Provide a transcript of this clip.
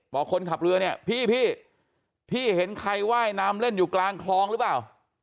บอกคนขับเรือเนี่ยพี่พี่เห็นใครว่ายน้ำเล่นอยู่กลางคลองหรือเปล่า